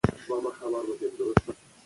څه چې کري هغه به رېبې